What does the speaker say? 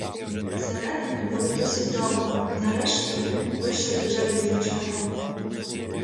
Всередині були досить довго, нарешті, вийшли вже без нічого.